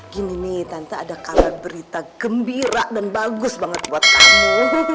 gini nih tante ada kata berita gembira dan bagus banget buat kamu